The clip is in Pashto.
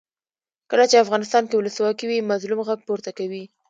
کله چې افغانستان کې ولسواکي وي مظلوم غږ پورته کوي.